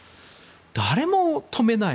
誰も止めない。